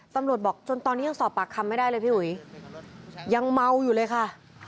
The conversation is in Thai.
ตำรวจบอกจนตอนนี้ยังสอบปากคำไม่ได้เลยพี่อุ๋ยยังเมาอยู่เลยค่ะ